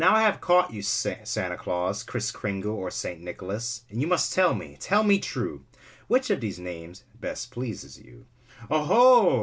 I have caught you Santa Claus, Kriss Kringle or St. Nicholas, And you must tell me, tell me true. Which of these names best pleases you'?'' " 0 ho